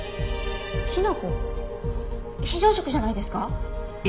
きな粉非常食じゃないですか？